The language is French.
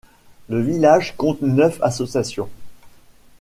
Le village compte neuf associations.